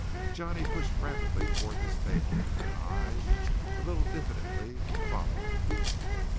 Johnny pushed rapidly toward this table, and I, a little diffidently, followed.